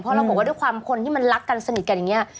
เพราะเราบอกว่าด้วยความคนที่มันรักกันสนิทกันอย่างนี้